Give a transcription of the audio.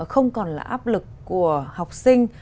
không còn là áp lực của học sinh